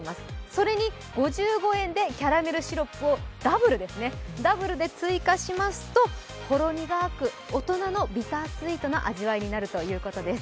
それに５５円でキャラメルシロップをダブルで追加しますとほろ苦く大人のビタースイートな味わいになるということです。